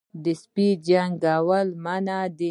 د سپي جنګول منع دي